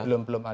belum belum ada